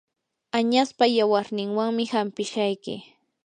añaspa yawarninwanmi hanpishayki.